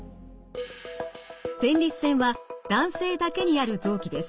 前立腺は男性だけにある臓器です。